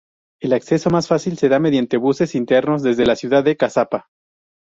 El acceso más fácil se da mediante buses internos desde la ciudad de Caazapá.